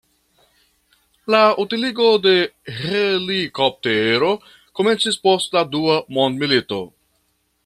La utiligo de helikoptero komencis post la dua mondmilito.